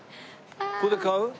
ここで買う？